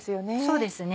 そうですね。